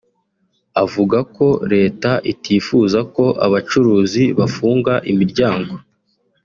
avuga ko Leta itifuza ko abacuruzi bafunga imiryango